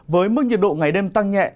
với mức nhiệt độ ngày đêm tăng nhẹ